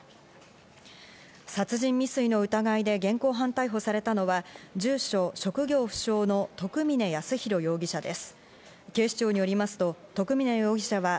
殺人未遂の疑いで現行犯逮捕されたのは住所、職業不詳の徳嶺安浩容疑者です。